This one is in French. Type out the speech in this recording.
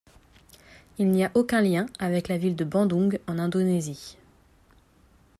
Il n'y a aucun lien avec la ville de Bandung en Indonésie.